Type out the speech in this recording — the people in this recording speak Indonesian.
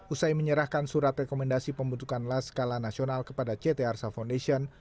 usai menyerahkan surat rekomendasi pembentukan las skala nasional kepada ct arsa foundation